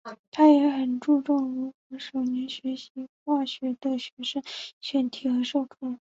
他也很注重如何为首年学习化学的学生选题和授课。